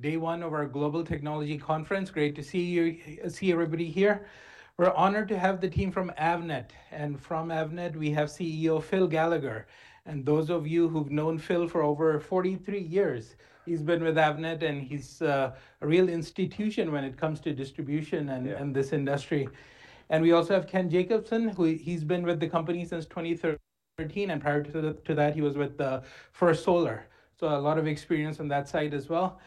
Day one of our Global Technology Conference. Great to see everybody here. We're honored to have the team from Avnet, and from Avnet we have Chief Executive Officer Phil Gallagher, and those of you who've known Phil for over 43 years. He's been with Avnet, and he's a real institution when it comes to distribution in this industry. We also have Ken Jacobson, he's been with the company since 2013, and prior to that he was with First Solar. A lot of experience on that side as well.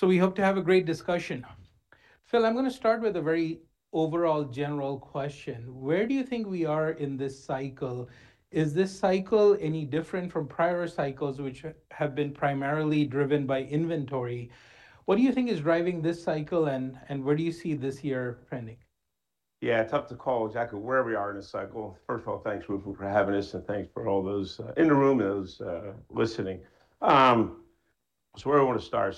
We hope to have a great discussion. Phil, I'm going to start with a very overall general question. Where do you think we are in this cycle? Is this cycle any different from prior cycles which have been primarily driven by inventory? What do you think is driving this cycle, and where do you see this year trending? Yeah. Tough to call exactly where we are in the cycle. First of all, thanks, Ruplu, for having us, and thanks for all those in the room and those listening. Where do I want to start?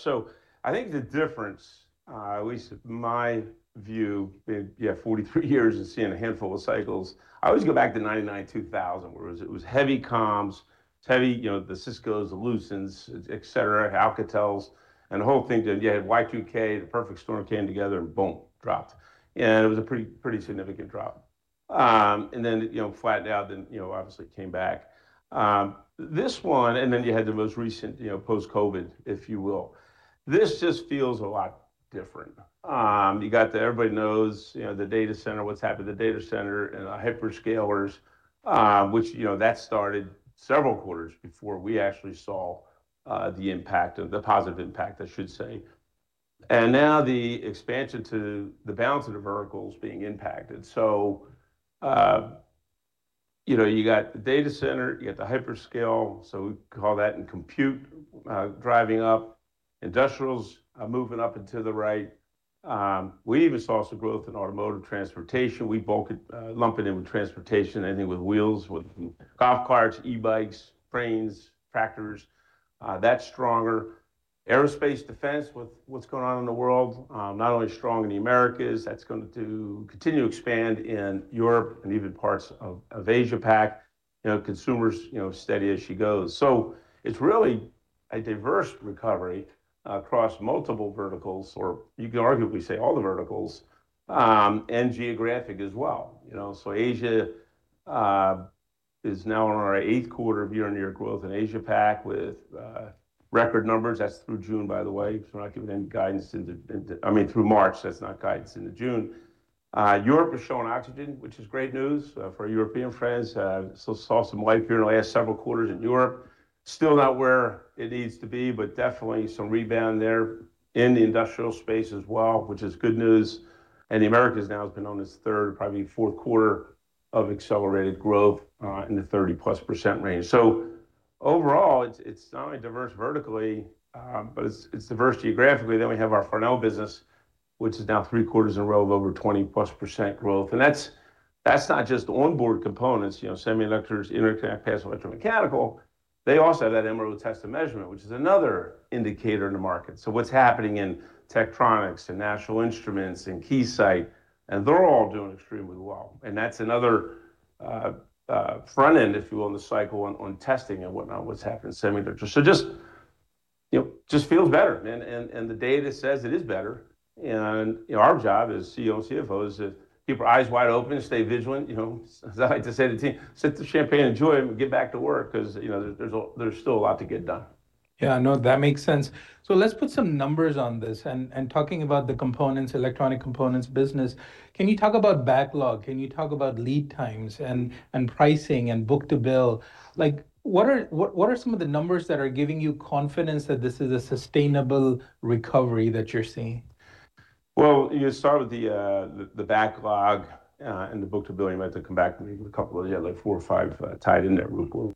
I think the difference, at least my view, being, yeah, 43 years and seeing a handful of cycles, I always go back to 1999, 2000, where it was heavy comms, it's heavy, the Ciscos, the Lucents, et cetera, Alcatels, and the whole thing. You had Y2K, the perfect storm came together and boom, dropped, and it was a pretty significant drop. Flattened out, obviously it came back. This one, you had the most recent, post-COVID, if you will. This just feels a lot different. Everybody knows the data center, what's happened to data center, and the hyperscalers, which, that started several quarters before we actually saw the impact, the positive impact, I should say. Now the expansion to the balance of the verticals being impacted. The data center, the hyperscale, and compute, driving up. Industrial's moving up and to the right. We even saw some growth in automotive transportation. We lump it in with transportation, anything with wheels, with golf carts, e-bikes, frames, tractors, that's stronger. Aerospace defense with what's going on in the world, not only strong in the Americas, that's going to continue to expand in Europe and even parts of Asia-Pac. Consumers, steady as she goes. It's really a diverse recovery across multiple verticals, or you could arguably say all the verticals, and geographic as well. Asia is now in our eigth quarter of year-over-year growth in Asia-Pac with record numbers. That's through June, by the way. We're not giving any guidance, I mean, through March, that's not guidance into June. Europe is showing oxygen, which is great news for our European friends. Saw some life here in the last several quarters in Europe. Still not where it needs to be, but definitely some rebound there in the industrial space as well, which is good news. The Americas now has been on its third, probably fourth quarter of accelerated growth, in the +30% range. Overall, it's not only diverse vertically, but it's diverse geographically. We have our Farnell business, which is now three quarters in a row of over +20% growth, and that's not just onboard components, semiconductors, interconnect, passive, electromechanical. They also have that Emerson Test & Measurement, which is another indicator in the market. What's happening in Tektronix, to National Instruments, and Keysight, and they're all doing extremely well. That's another front end, if you will, on the cycle on testing and whatnot, what's happening in semiconductor. Just feels better. The data says it is better, and our job as Chief Executive Officer s, Chief Financial Officers is to keep our eyes wide open and stay vigilant. As I like to say to the team, sip the champagne, enjoy it, and we get back to work because there's still a lot to get done. Yeah, no, that makes sense. Let's put some numbers on this and talking about the electronic components business. Can you talk about backlog? Can you talk about lead times and pricing and book-to-bill? What are some of the numbers that are giving you confidence that this is a sustainable recovery that you're seeing? You start with the backlog, the book-to-bill you might have to come back to me with a couple of the other four or five tied in there, Ruplu.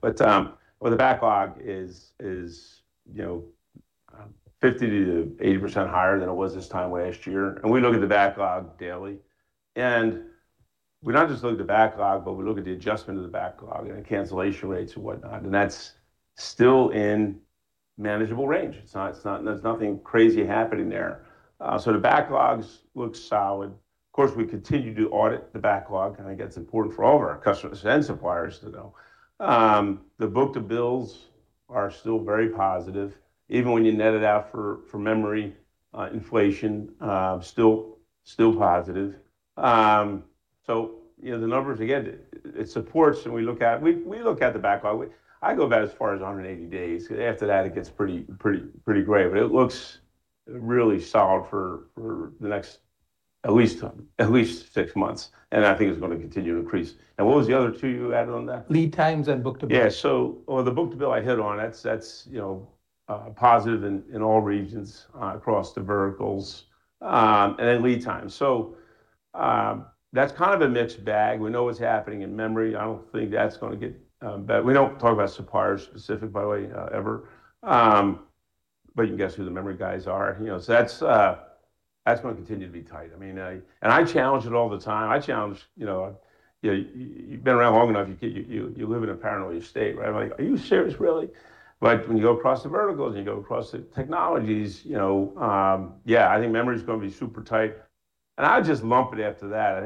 The backlog is 50%-80% higher than it was this time last year, we look at the backlog daily. We not just look at the backlog, we look at the adjustment of the backlog and cancellation rates and whatnot, that's still in manageable range. There's nothing crazy happening there. The backlogs look solid. Of course, we continue to audit the backlog. I think that's important for all of our customers and suppliers to know. The book-to-bills are still very positive, even when you net it out for memory inflation, still positive. The numbers, again, it supports, we look at the backlog. I go about as far as 180 days because after that it gets pretty gray, but it looks really solid for the next at least six months, and I think it's going to continue to increase. What was the other two you added on that? Lead times and book-to-bill. Yeah. The book-to-bill I hit on. That's positive in all regions across the verticals. Lead time. That's kind of a mixed bag. We know what's happening in memory. I don't think that's going to get better. We don't talk about suppliers specific, by the way, ever, but you can guess who the memory guys are. That's going to continue to be tight. I challenge it all the time. I challenge, you've been around long enough, you live in a paranoid state, right? I'm like, "Are you serious, really?" When you go across the verticals and you go across the technologies, yeah, I think memory's going to be super tight and I'd just lump it after that.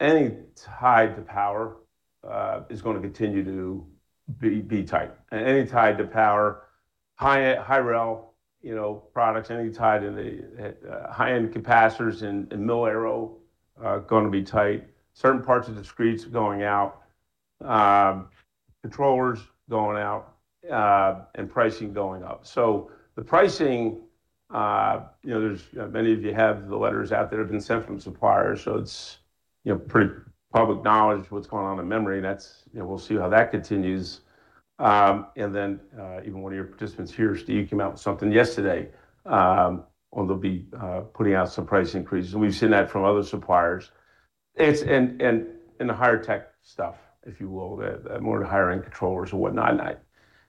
Any tied to power is going to continue to be tight. Anything tied to power, Hi-Rel products, any tied to the high-end capacitors in mil-aero, are going to be tight. Certain parts of the discretes are going out, controllers going out, and pricing going up. The pricing, many of you have the letters out that have been sent from suppliers, it's pretty public knowledge what's going on in memory, and we'll see how that continues. Even one of your participants here, Steve, came out with something yesterday, or they'll be putting out some price increases, and we've seen that from other suppliers. It's in the higher tech stuff, if you will, the more higher-end controllers or whatnot.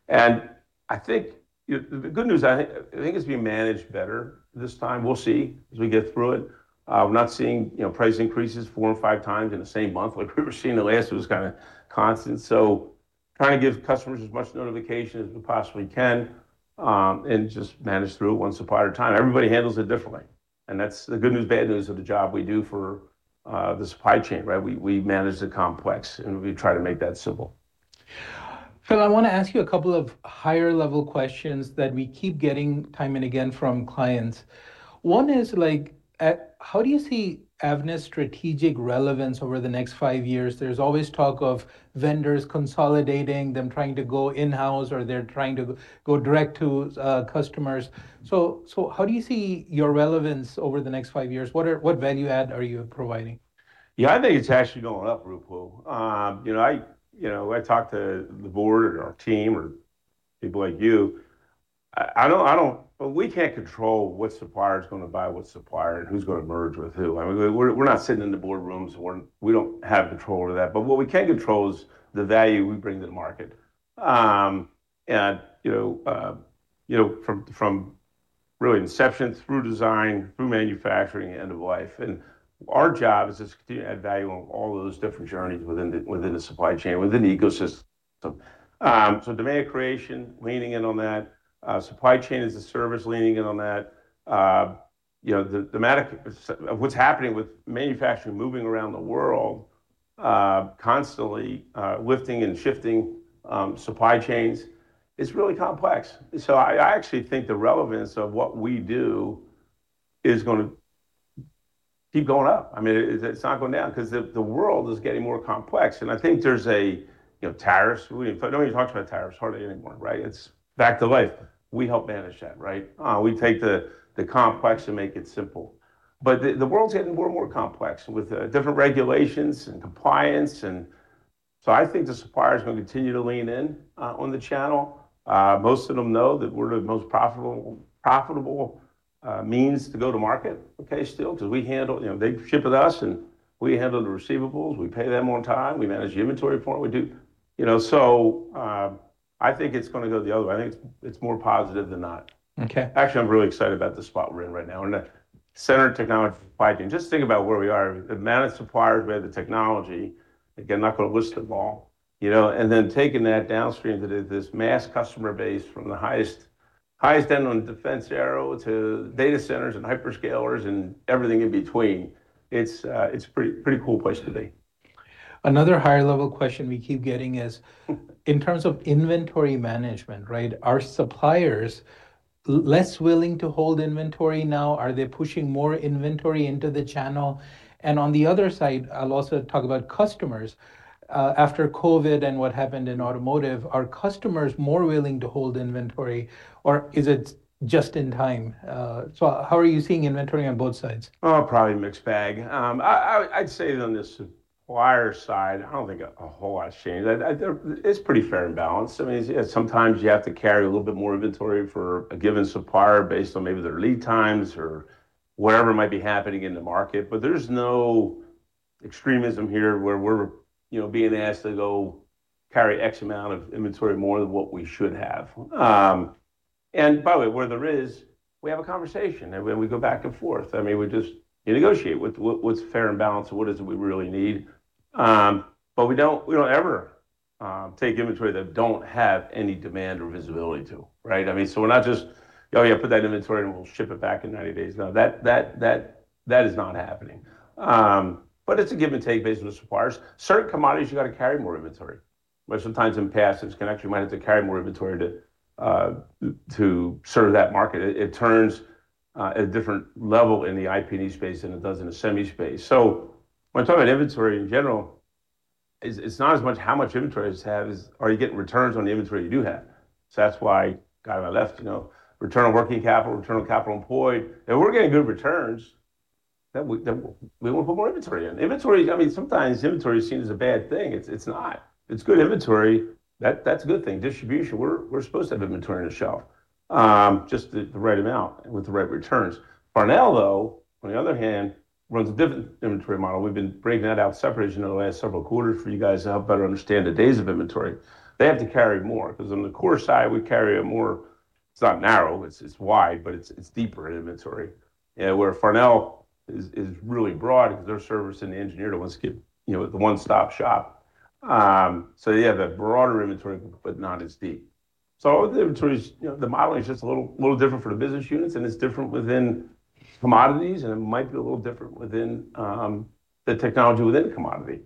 I think the good news, I think it's being managed better this time. We'll see as we get through it. I'm not seeing price increases four and five times in the same month like we were seeing the last, it was kind of constant. Trying to give customers as much notification as we possibly can, and just manage through it one supplier at a time. Everybody handles it differently, and that's the good news, bad news of the job we do for the supply chain, right? We manage the complex, and we try to make that simple. Phil, I want to ask you a couple of higher-level questions that we keep getting time and again from clients. One is, how do you see Avnet's strategic relevance over the next five years? There's always talk of vendors consolidating, them trying to go in-house, or they're trying to go direct to customers. How do you see your relevance over the next five years? What value add are you providing? Yeah, I think it's actually going up, Ruplu. I talk to the board or our team or people like you. We can't control what supplier's going to buy what supplier and who's going to merge with who. I mean, we're not sitting in the boardrooms. We don't have control over that. What we can control is the value we bring to the market. From really inception through design, through manufacturing, end of life, and our job is just to add value on all those different journeys within the supply chain, within the ecosystem. Demand creation, leaning in on that. Supply Chain as a Service, leaning in on that. What's happening with manufacturing moving around the world, constantly lifting and shifting supply chains is really complex. I actually think the relevance of what we do is going to keep going up. It's not going down because the world is getting more complex. Tariffs, we don't even talk about tariffs hardly anymore, right? It's back to life. We help manage that, right? We take the complex and make it simple. The world's getting more and more complex with different regulations and compliance, I think the supplier's going to continue to lean in on the channel. Most of them know that we're the most profitable means to go to market, okay, still, because they ship with us, and we handle the receivables. We pay them on time. We manage the inventory for them. I think it's going to go the other way. I think it's more positive than not. Okay. Actually, I'm really excited about the spot we're in right now and the center of technology supply chain. Just think about where we are. The amount of suppliers, we have the technology. Not going to list them all. Taking that downstream to this mass customer base from the highest end on defense aero to data centers and hyperscalers and everything in between. It's a pretty cool place to be. Another higher-level question we keep getting is in terms of inventory management, right? Are suppliers less willing to hold inventory now? Are they pushing more inventory into the channel? On the other side, I'll also talk about customers. After COVID and what happened in automotive, are customers more willing to hold inventory, or is it just in time? How are you seeing inventory on both sides? Oh, probably a mixed bag. I'd say on the supplier side, I don't think a whole lot has changed. It's pretty fair and balanced. Sometimes you have to carry a little bit more inventory for a given supplier based on maybe their lead times or whatever might be happening in the market. There's no extremism here where we're being asked to go carry X amount of inventory more than what we should have. By the way, where there is, we have a conversation, and we go back and forth. You negotiate what's fair and balanced and what is it we really need. We don't ever take inventory that don't have any demand or visibility to, right? We're not just, "Oh, yeah, put that inventory in and we'll ship it back in 90 days." No, that is not happening. It's a give and take based on the suppliers. Certain commodities, you got to carry more inventory. Where sometimes in the past, in connection you might have to carry more inventory to serve that market. It turns a different level in the IPD space than it does in a semi space. When I talk about inventory in general, it's not as much how much inventory you have as are you getting returns on the inventory you do have? That's why, guy on my left, return on working capital, return on capital employed, and we're getting good returns that we want to put more inventory in. Sometimes inventory is seen as a bad thing. It's not. It's good inventory. That's a good thing. Distribution, we're supposed to have inventory on the shelf. Just the right amount with the right returns. Farnell, though, on the other hand, runs a different inventory model. We've been breaking that out separately in the last several quarters for you guys to help better understand the days of inventory. They have to carry more because on the core side, we carry a more, it's not narrow, it's wide, but it's deeper in inventory. Where Farnell is really broad because their service and the engineer, the one-stop shop, yeah, they have broader inventory, but not as deep. The inventory's, the modeling is just a little different for the business units, and it's different within commodities, and it might be a little different within the technology within the commodity,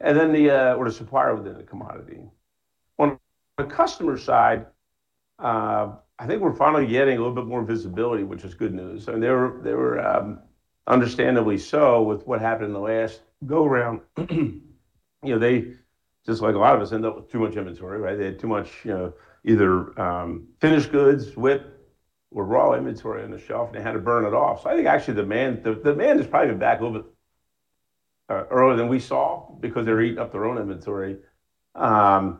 or the supplier within the commodity. On the customer side, I think we're finally getting a little bit more visibility, which is good news. They were understandably so with what happened in the last go-around. They, just like a lot of us, end up with too much inventory, right? They had too much either finished goods, WIP, or raw inventory on the shelf, and they had to burn it off. I think actually the demand is probably back a little bit earlier than we saw because they're eating up their own inventory. I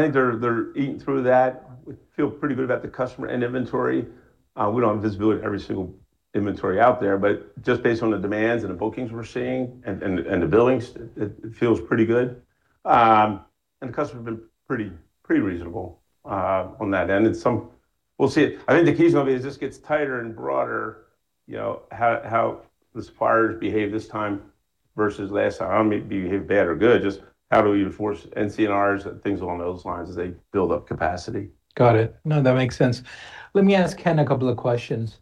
think they're eating through that. We feel pretty good about the customer end inventory. We don't have visibility of every single inventory out there, but just based on the demands and the bookings we're seeing and the billings, it feels pretty good. The customer's been pretty reasonable on that end. We'll see. I think the key is going to be as this gets tighter and broader, how the suppliers behave this time versus last time, maybe behave bad or good. Just how do we enforce NCNRs and things along those lines as they build up capacity. Got it. No, that makes sense. Let me ask Ken a couple of questions.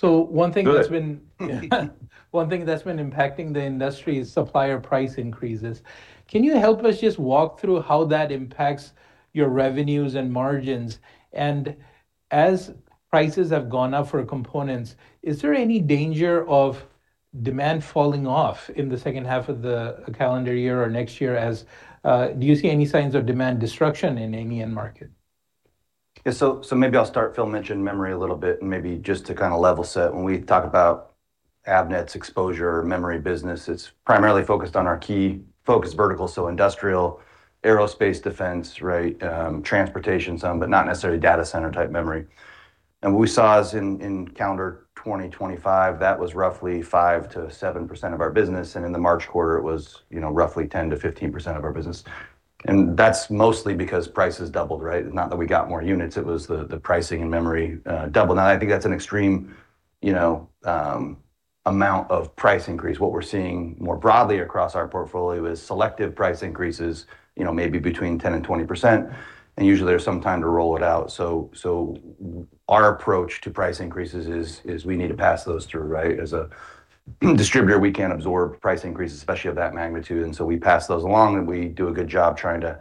one thing that's been- Good. One thing that's been impacting the industry is supplier price increases. Can you help us just walk through how that impacts your revenues and margins? As prices have gone up for components, is there any danger of demand falling off in the second half of the calendar year or next year? Do you see any signs of demand destruction in any end market? Maybe I'll start. Phil mentioned memory a little bit, and maybe just to kind of level set, when we talk about Avnet's exposure or memory business, it's primarily focused on our key focus vertical, so industrial, aerospace defense, transportation some, but not necessarily data center type memory. What we saw is in calendar 2025, that was roughly 5%-7% of our business, and in the March quarter, it was roughly 10%-15% of our business. That's mostly because prices doubled. Not that we got more units, it was the pricing and memory doubled. Now, I think that's an extreme amount of price increase. What we're seeing more broadly across our portfolio is selective price increases maybe between 10% and 20%, and usually there's some time to roll it out. Our approach to price increases is we need to pass those through. As a distributor, we can't absorb price increases, especially of that magnitude, and so we pass those along, and we do a good job trying to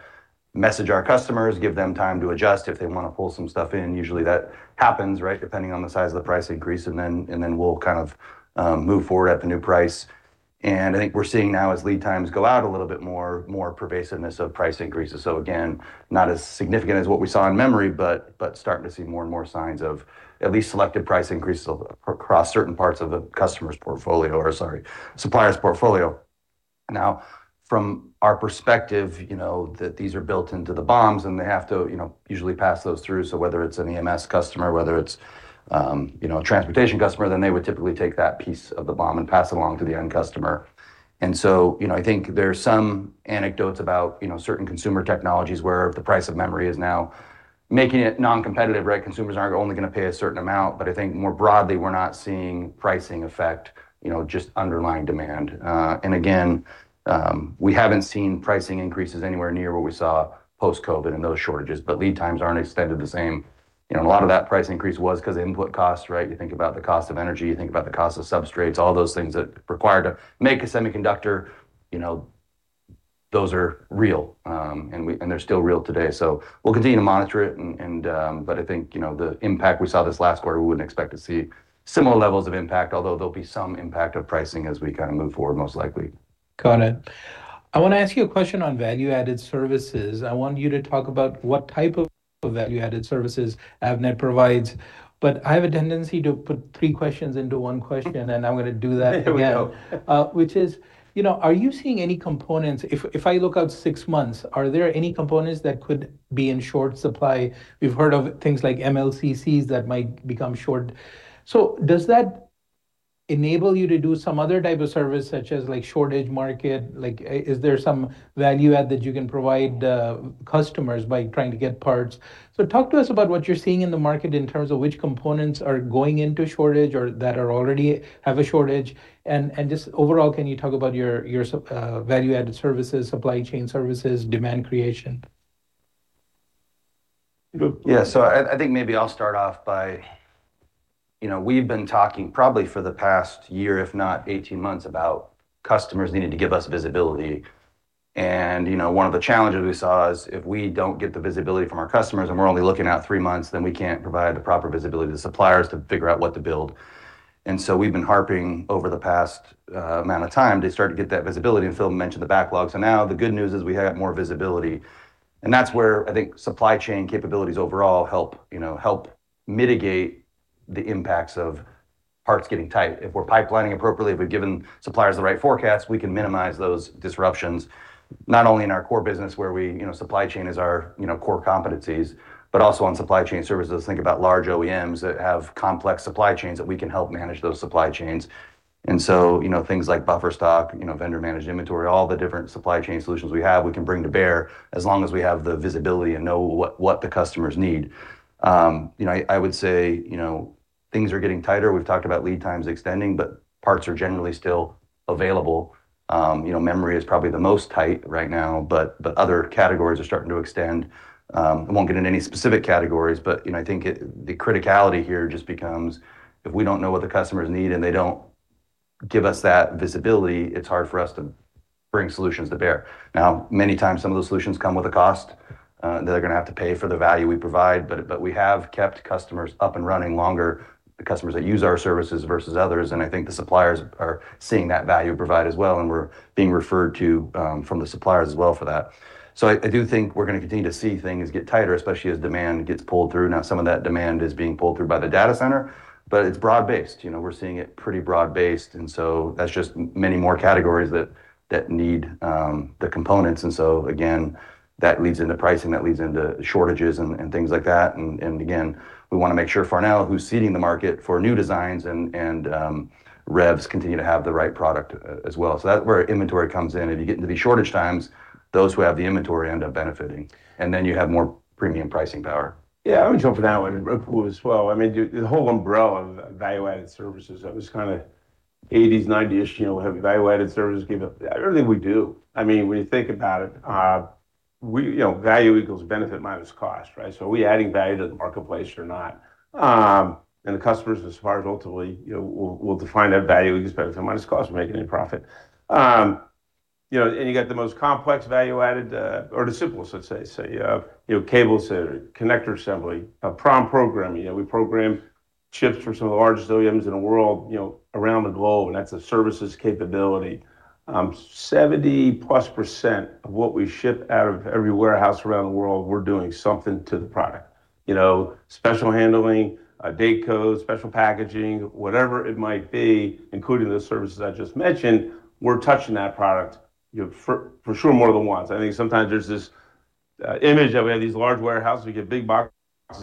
message our customers, give them time to adjust if they want to pull some stuff in. Usually, that happens depending on the size of the price increase. We'll move forward at the new price. I think we're seeing now as lead times go out a little bit more, more pervasiveness of price increases. Again, not as significant as what we saw in memory, but starting to see more and more signs of at least selective price increases across certain parts of the customer's portfolio, or sorry, supplier's portfolio. Now, from our perspective, that these are built into the BOMs, and they have to usually pass those through. Whether it's an EMS customer, whether it's a transportation customer, they would typically take that piece of the BOM and pass it along to the end customer. I think there are some anecdotes about certain consumer technologies where the price of memory is now making it non-competitive. Consumers are only going to pay a certain amount. I think more broadly, we're not seeing pricing affect just underlying demand. Again, we haven't seen pricing increases anywhere near what we saw post-COVID and those shortages, but lead times aren't extended the same. A lot of that price increase was because of input costs. You think about the cost of energy, you think about the cost of substrates, all those things that require to make a semiconductor, those are real, and they're still real today. We'll continue to monitor it, but I think the impact we saw this last quarter, we wouldn't expect to see similar levels of impact, although there'll be some impact of pricing as we move forward, most likely. Got it. I want to ask you a question on value-added services. I want you to talk about what type of value-added services Avnet provides. I have a tendency to put three questions into one question, and I'm going to do that again. Here we go. Which is, are you seeing any components, if I look out six months, are there any components that could be in short supply? We've heard of things like MLCCs that might become short. Does that enable you to do some other type of service, such as shortage market? Is there some value add that you can provide customers by trying to get parts? Talk to us about what you're seeing in the market in terms of which components are going into shortage or that already have a shortage, and just overall, can you talk about your value-added services, supply chain services, demand creation? Good. Yeah. I think maybe I'll start off by, we've been talking probably for the past year, if not 18 months, about customers needing to give us visibility. One of the challenges we saw is if we don't get the visibility from our customers and we're only looking out three months, then we can't provide the proper visibility to suppliers to figure out what to build. We've been harping over the past amount of time to start to get that visibility, and Phil mentioned the backlog. Now the good news is we have more visibility, and that's where I think supply chain capabilities overall help mitigate the impacts of parts getting tight. If we're pipelining appropriately, if we've given suppliers the right forecast, we can minimize those disruptions, not only in our core business where supply chain is our core competencies, but also on supply chain services. Think about large OEMs that have complex supply chains that we can help manage those supply chains. Things like buffer stock, vendor-managed inventory, all the different supply chain solutions we have, we can bring to bear as long as we have the visibility and know what the customers need. Things are getting tighter. We've talked about lead times extending, but parts are generally still available. Memory is probably the most tight right now, but other categories are starting to extend. I won't get into any specific categories, but I think the criticality here just becomes, if we don't know what the customers need and they don't give us that visibility, it's hard for us to bring solutions to bear. Now, many times, some of those solutions come with a cost. They're going to have to pay for the value we provide, but we have kept customers up and running longer, the customers that use our services versus others. I think the suppliers are seeing that value provide as well, and we're being referred to from the suppliers as well for that. I do think we're going to continue to see things get tighter, especially as demand gets pulled through. Now, some of that demand is being pulled through by the data center, but it's broad-based. We're seeing it pretty broad-based, that's just many more categories that need the components. Again, that leads into pricing, that leads into shortages and things like that. Again, we want to make sure Farnell, who's seeding the market for new designs and revs, continue to have the right product as well. That's where inventory comes in. If you get into these shortage times, those who have the inventory end up benefiting, and then you have more premium pricing power. Yeah, I would jump in for that one as well. The whole umbrella of value-added services, that was kind of 1980s, 1990s, have value-added services. I don't think we do. When you think about it, value equals benefit minus cost. Are we adding value to the marketplace or not? The customers, as far as ultimately, we'll define that value equal benefit minus cost. We're making a profit. You got the most complex value-added, or the simplest, let's say. Say, cable connector assembly, a PROM programming. We program chips for some of the largest OEMs in the world around the globe, and that's a services capability. +70% of what we ship out of every warehouse around the world, we're doing something to the product. Special handling, date code, special packaging, whatever it might be, including the services I just mentioned, we're touching that product for sure more than once. I think sometimes there's this image that we have these large warehouses, we get big boxes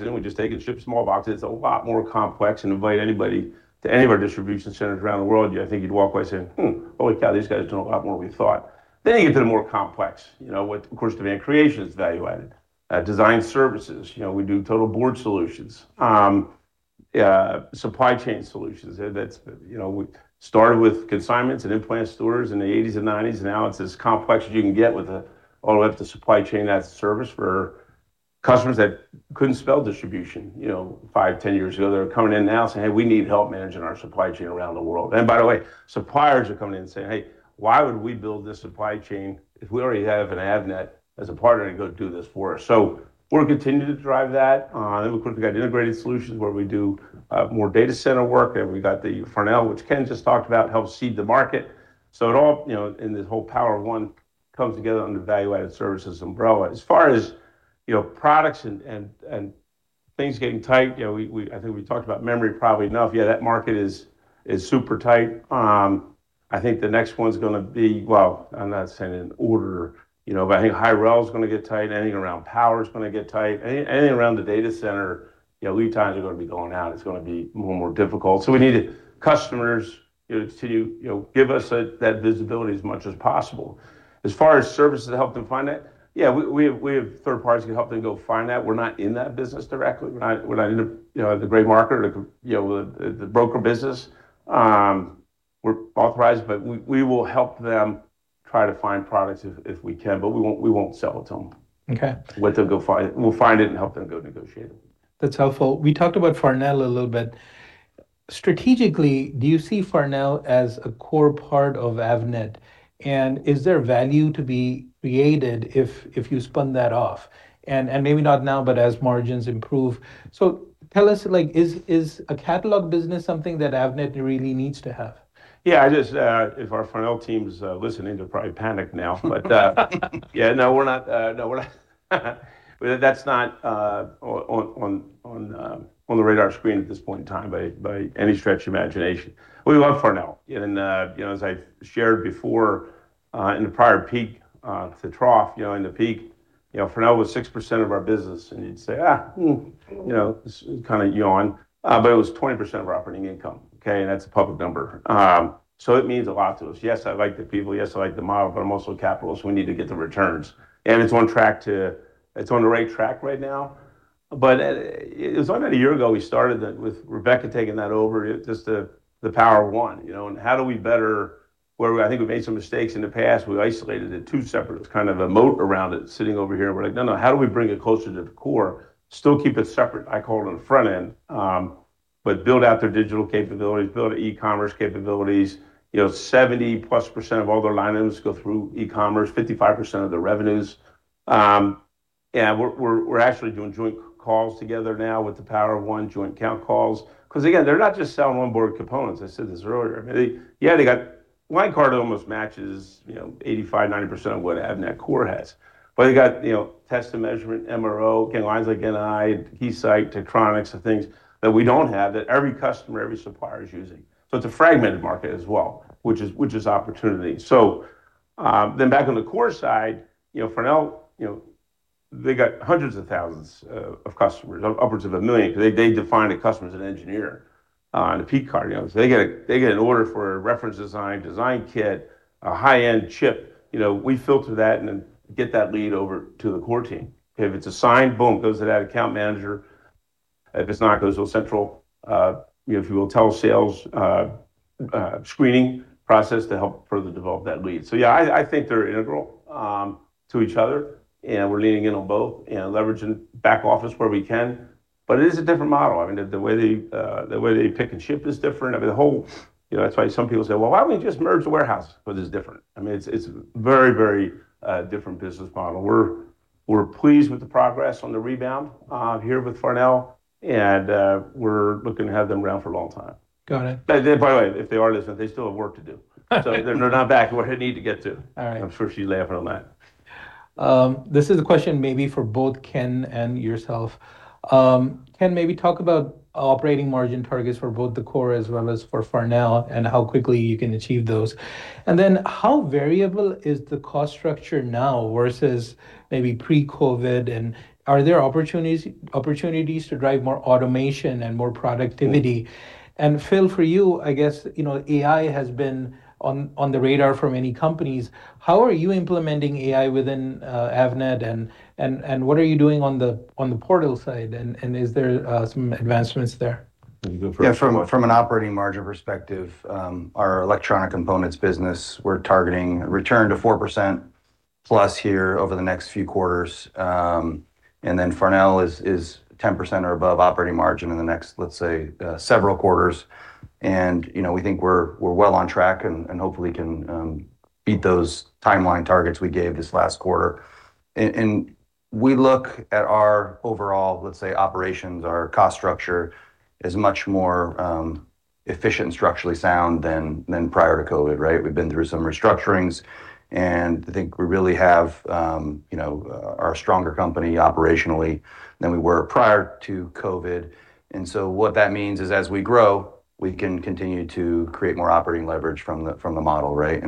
in, and we just take it, ship small boxes. It's a lot more complex. Invite anybody to any of our distribution centers around the world. I think you'd walk away saying, "Hmm, holy cow, these guys do a lot more than we thought." You get to the more complex, with, of course, demand creation is value-added. Design services. We do total board solutions. Supply chain solutions. We started with consignments and in-plant stores in the 1980s and 1990s. It's as complex as you can get with all the way up to Supply Chain as a Service for customers that couldn't spell distribution five, 10 years ago, that are coming in now saying, "Hey, we need help managing our supply chain around the world." By the way, suppliers are coming in and saying, "Hey, why would we build this supply chain if we already have an Avnet as a partner to go do this for us?" We're continuing to drive that. Of course, we've got integrated solutions where we do more data center work. We've got the Farnell, which Ken just talked about, helps seed the market. It all, in this whole Power of One, comes together under the value-added services umbrella. As far as products and things getting tight, I think we talked about memory probably enough. Yeah, that market is super tight. I think the next one's going to be, well, I'm not saying in order, but I think Hi-Rel's going to get tight. Anything around power is going to get tight. Anything around the data center, lead times are going to be going out. It's going to be more and more difficult. We need customers to continue to give us that visibility as much as possible. As far as services to help them find it, yeah, we have third parties can help them go find that. We're not in that business directly. We're not in the gray market or the broker business. We're authorized, but we will help them try to find products if we can, but we won't sell it to them. Okay. We'll let them. We'll find it and help them go negotiate it. That's helpful. We talked about Farnell a little bit. Strategically, do you see Farnell as a core part of Avnet? Is there value to be created if you spun that off? Maybe not now, but as margins improve. Tell us, is a catalog business something that Avnet really needs to have? Yeah. If our Farnell team's listening, they'll probably panic now. Yeah, no, we're not. That's not on the radar screen at this point in time by any stretch of the imagination. We love Farnell. As I've shared before, in the prior peak to trough, in the peak, Farnell was 6% of our business. You'd say, kind of yawn. It was 20% of our operating income. Okay? That's a public number. It means a lot to us. Yes, I like the people. Yes, I like the model, but I'm also a capitalist. We need to get the returns. It's on the right track right now, but it was only about a year ago we started that with Rebeca taking that over, just the Power of One. How do we better, where I think we've made some mistakes in the past we've isolated it in two separate. It's kind of a moat around it, and sitting over here, we're like no, no, how do we bring it closer to the core? Still keep it separate, I call it on the front end, but build out their digital capabilities, build e-commerce capabilities. You know, +70% of all their line items go through e-commerce, 55% of their revenues. Yeah, we're actually doing joint calls together now with the power of one joint account calls. Because again, they're not just selling onboard components, I said this earlier. Yeah, they got, line card almost matches, 85%, 90% of what Avnet Core has. But they got, you know, test and measurement, MRO, lines like NI, Keysight, Tektronix, the things that we don't have that every customer, every supplier is using. But it's a fragmented market as well, which is opportunity. Back on the core side, Farnell, they got hundreds of thousands of customers, upwards of a million, because they define a customer as an engineer on the p-card. They get an order for a reference design kit, a high-end chip. We filter that and then get that lead over to the core team. If it's assigned, boom, goes to that account manager. If it's not, it goes to a central, if you will, telesales screening process to help further develop that lead. Yeah, I think they're integral to each other, and we're leaning in on both and leveraging back office where we can. It is a different model. The way they pick and ship is different. That's why some people say, "Well, why don't we just merge the warehouse?" It's different. It's a very different business model. We're pleased with the progress on the rebound here with Farnell, and we're looking to have them around for a long time. Got it. By the way, if they are listening, they still have work to do. They're not back where they need to get to. All right. I'm sure she's laughing at that. This is a question maybe for both Ken and yourself. Ken, maybe talk about operating margin targets for both the core as well as for Farnell. How quickly you can achieve those. How variable is the cost structure now versus maybe pre-COVID? Are there opportunities to drive more automation and more productivity? Phil, for you, I guess AI has been on the radar for many companies. How are you implementing AI within Avnet? What are you doing on the portal side? Is there some advancements there? You go first. Yeah, from an operating margin perspective, our electronic components business, we're targeting a return to +4% here over the next few quarters. Farnell is 10% or above operating margin in the next, let's say, several quarters. We think we're well on track and hopefully can beat those timeline targets we gave this last quarter. We look at our overall, let's say, operations, our cost structure is much more efficient and structurally sound than prior to COVID, right? We've been through some restructurings, and I think we really are a stronger company operationally than we were prior to COVID. What that means is, as we grow, we can continue to create more operating leverage from the model, right?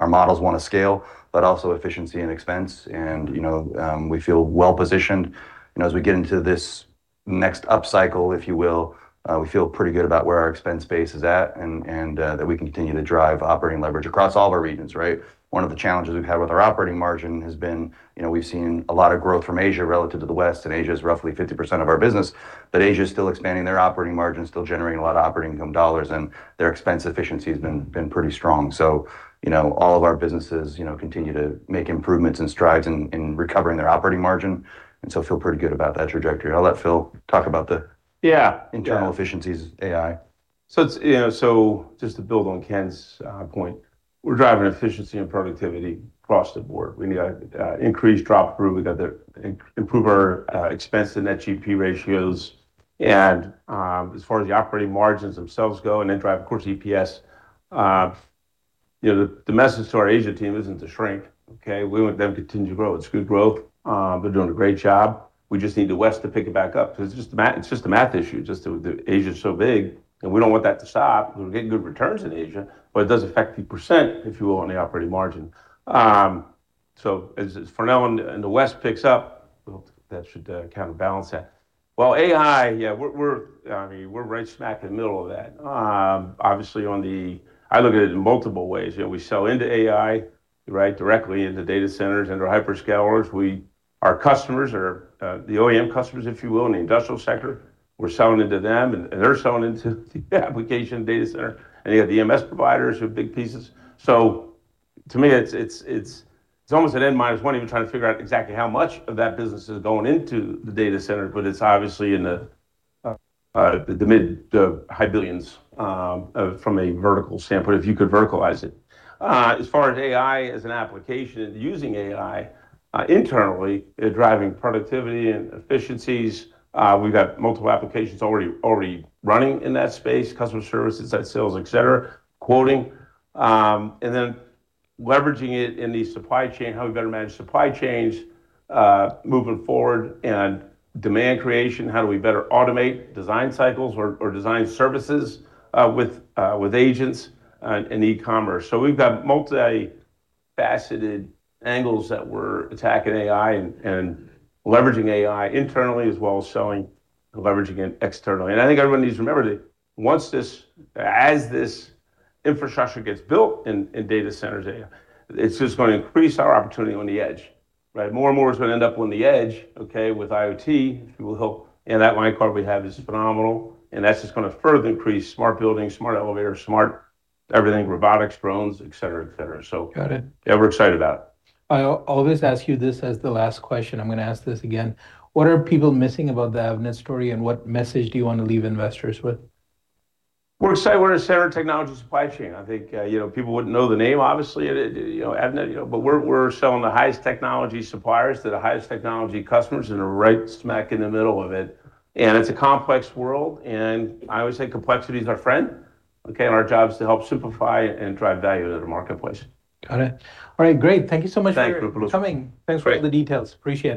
Our models want to scale, but also efficiency and expense and we feel well-positioned. As we get into this next up cycle, if you will, we feel pretty good about where our expense base is at, and that we can continue to drive operating leverage across all our regions, right? One of the challenges we've had with our operating margin has been we've seen a lot of growth from Asia relative to the West, and Asia is roughly 50% of our business. Asia is still expanding their operating margin, still generating a lot of operating income dollars, and their expense efficiency has been pretty strong. All of our businesses continue to make improvements and strides in recovering their operating margin, and so feel pretty good about that trajectory. I'll let Phil talk about the internal efficiencies AI. Just to build on Ken's point, we're driving efficiency and productivity across the board. We need to increase drop through. We've got to improve our expense and net GP ratios. As far as the operating margins themselves go and then drive, of course, EPS, the message to our Asia team isn't to shrink, okay? We want them to continue to grow. It's good growth. They're doing a great job. We just need the West to pick it back up because it's just a math issue. Asia's so big, and we don't want that to stop. We're getting good returns in Asia, but it does affect the percent, if you will, on the operating margin. As Farnell in the West picks up, that should kind of balance that. Well, AI, yeah, we're right smack in the middle of that. Obviously, I look at it in multiple ways. We sell into AI, right, directly into data centers, into hyperscalers. Our customers are the OEM customers, if you will, in the industrial sector. We're selling into them, and they're selling into the application data center, and you have DMS providers who are big pieces. To me, it's almost an N -1, even trying to figure out exactly how much of that business is going into the data center, but it's obviously in the mid to high billions from a vertical standpoint, if you could verticalize it. As far as AI as an application, using AI internally, driving productivity and efficiencies, we've got multiple applications already running in that space, customer services, at sales, et cetera, quoting. Leveraging it in the supply chain, how we better manage supply chains moving forward and demand creation, how do we better automate design cycles or design services with agents in e-commerce? We've got multifaceted angles that we're attacking AI and leveraging AI internally as well as selling and leveraging it externally. I think everyone needs to remember that as this infrastructure gets built in data centers, it's just going to increase our opportunity on the edge, right? More and more is going to end up on the edge, okay, with IoT, if you will. That line card we have is phenomenal, and that's just going to further increase smart buildings, smart elevators, smart everything, robotics, drones, et cetera. Got it. Yeah, we're excited about it. I always ask you this as the last question. I'm going to ask this again. What are people missing about the Avnet story, and what message do you want to leave investors with? We're excited we're in the center of the technology supply chain. I think people wouldn't know the name, obviously, Avnet. We're selling the highest technology suppliers to the highest technology customers and are right smack in the middle of it. It's a complex world, and I always say complexity is our friend, okay? Our job is to help simplify and drive value to the marketplace. Got it. All right, great. Thank you so much for coming. Thanks, Ruplu. Thanks for all the details. Appreciate it.